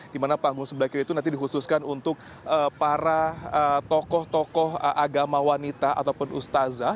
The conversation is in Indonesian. di mana panggung sebelah kiri itu nanti dikhususkan untuk para tokoh tokoh agama wanita ataupun ustazah